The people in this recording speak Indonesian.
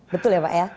betul ya pak ya